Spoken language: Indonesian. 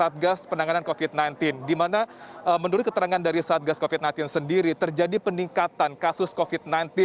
di mana menurut keterangan dari satgas covid sembilan belas sendiri terjadi peningkatan kasus covid sembilan belas